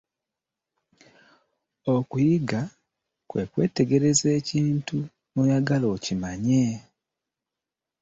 Okuyiga kwe kwetegereza ekintu ng'oyagala okimanye.